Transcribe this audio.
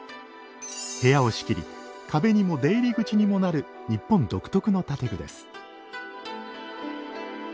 部屋を仕切り壁にも出入り口にもなる日本独特の建具です。